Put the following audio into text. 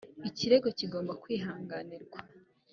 ikirego kigomba kwihanganirwa.